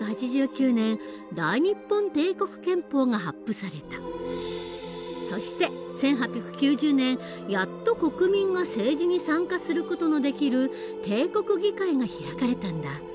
それを基にそして１８９０年やっと国民が政治に参加する事のできる帝国議会が開かれたんだ。